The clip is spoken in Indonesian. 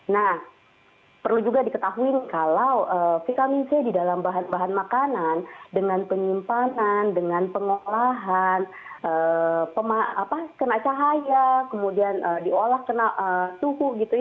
nah perlu juga diketahui kalau vitamin c di dalam bahan bahan makanan dengan penyimpanan dengan pengolahan kena cahaya kemudian diolah kena suhu